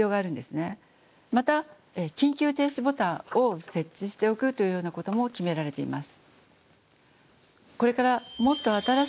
また緊急停止ボタンを設置しておくというようなことも決められています。